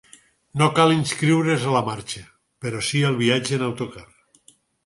No cal inscriure’s a la marxa, però sí al viatge en autocar.